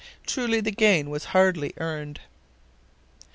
Truly the gain was hardly earned.